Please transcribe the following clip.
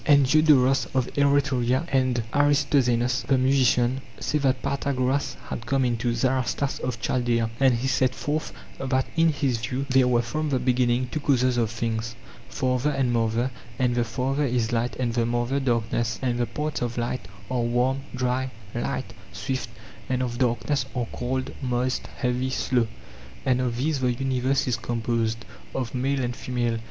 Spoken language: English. And Diodoros of Eretria and Aristoxenos the musician say that Pythagoras had come into Zaratas of Chaldaea ; and he set forth that in his view there were from the beginning two causes of things, father and mother ; and the father is light and the mother darkness; and the parts of light are warm, dry, light, swift; and of darkness are cold, moist, heavy, slow; and of these all the universe is composed, of male and female.